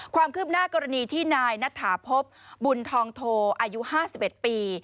ความคืบหน้ากรณีที่นายณฐาพบบุญทองโทอายุ๕๑ปี